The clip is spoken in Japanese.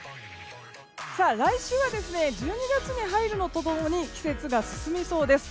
来週は１２月に入るのと共に季節が進みそうです。